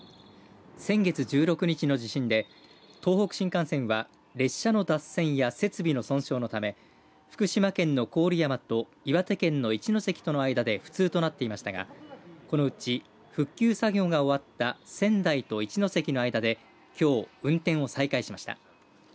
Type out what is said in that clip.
先月１６日の地震で東北新幹線は列車が脱線や設備の損傷のため福島県の郡山と岩手県の一ノ関との間で不通となっていましたがこのうち復旧作業が終わった仙台と一ノ関の間できょう運転を再開しました。